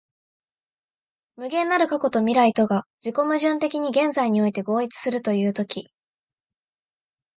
無限なる過去と未来とが自己矛盾的に現在において合一するという時、